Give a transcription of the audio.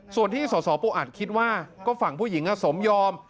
ส่วนที่สสปูอัดคิดว่าก็ฝั่งผู้หญิงสมยอม